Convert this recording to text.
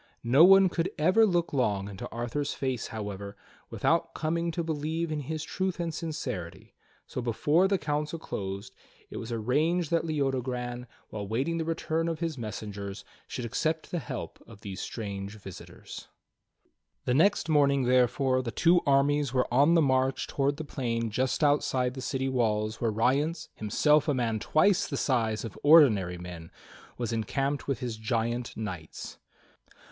No one could ever look long into Arthur's face, however, without coming to believe in his truth and sincerity; so before the council closed it was arranged that Leodogran, HOW ARTHUR WON HIS SWORD 31 while awaiting the return of his messengers, should accept the help of these strange visitors. The next morning, therefore, the two armies were on the march towards the plain just outside the city walls where Rience, himself a man twice the size of ordinary men, was encamped with his giant knights.